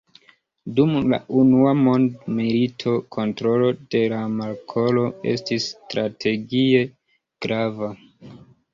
Dum la unua mondmilito, kontrolo de la markolo estis strategie grava.